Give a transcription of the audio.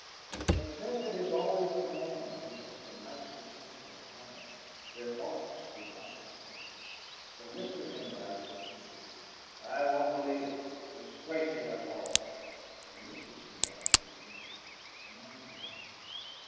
But since it is always the man who has the nicer sense of honour, their thoughts were not the same, for Mr. Pendyce was thinking: 'I won't believe it disgracing us all!' and Mrs. Pendyce was thinking: 'My boy!'